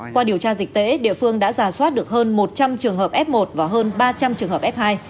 qua điều tra dịch tễ địa phương đã giả soát được hơn một trăm linh trường hợp f một và hơn ba trăm linh trường hợp f hai